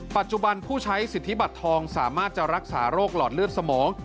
ปัจจุบันผู้ใช้สิทธิบัตรทองสามารถจะรักษาโรคหลอดเลือดสมอง